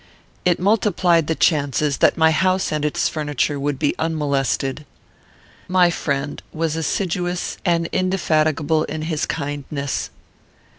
It multiplied the chances that my house and its furniture would be unmolested. "My friend was assiduous and indefatigable in his kindness.